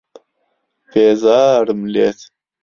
بێزارم لێت.